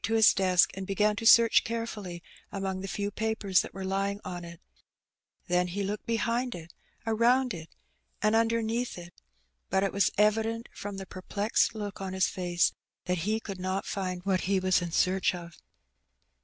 159 to his desk and began to search carefully among the few papers that were lying on it; then he looked behind it, around it^ and underneath it, but it was evident^ from the perplexed look on his face, that he could not find what he was in search of.